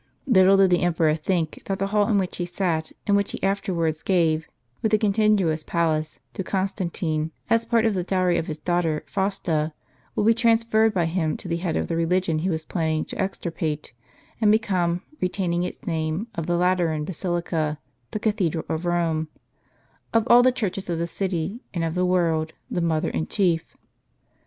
Little did the emperor think, that the hall in which he sat, and which he afterwards gave, with the contiguous palace, to Constantine, as part of the dowry of his daughter, Fausta, would be transferred by him to the head of the religion he was planning to extirpate, and become, retaining its name of the Lateran Basilica, the cathedral of Rome, " of all the churches of the city and of the world the mother and chief."